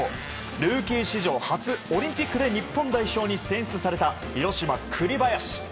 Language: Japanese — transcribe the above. ルーキー史上初オリンピックで日本代表に選出された広島、栗林。